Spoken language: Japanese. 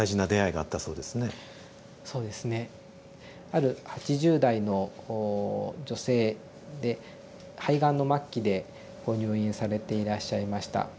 ある８０代の女性で肺がんの末期でご入院されていらっしゃいました。